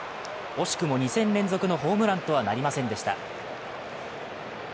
惜しくも２戦連続のホームランとはなりませんでした。